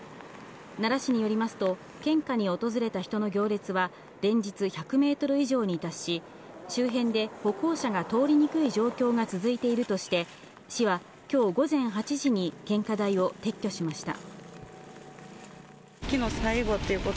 奈良市によりますと、献花に訪れた人の行列は連日１００メートル以上に達し、周辺で歩行者が通りにくい状況が続いているとして市は今日午前８時に献花台を撤去しました。